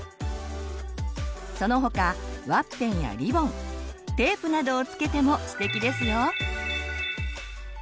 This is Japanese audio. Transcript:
その他ワッペンやリボンテープなどを付けてもステキですよ！